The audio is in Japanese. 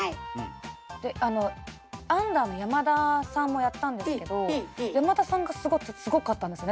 でアンダーの山田さんもやったんですけど山田さんがすごかったんですよね